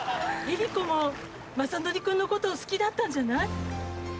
江里子もまさのり君のこと好きだったんじゃない？